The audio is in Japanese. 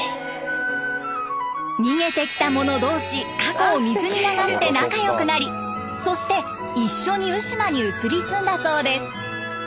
逃げてきたもの同士過去を水に流して仲良くなりそして一緒に鵜島に移り住んだそうです。